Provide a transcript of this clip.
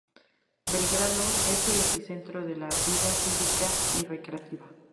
Belgrano es el epicentro de la vida cívica y recreativa.